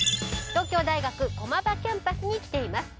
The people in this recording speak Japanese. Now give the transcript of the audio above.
東京大学駒場キャンパスに来ています。